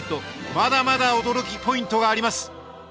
まだまだ驚きポイントがあります